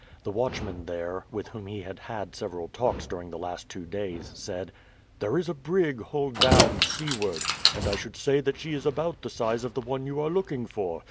The watchman there, with whom he had had several talks during the last two days, said: "There is a brig, hull down, seaward, and I should say that she is about the size of the one you are looking for.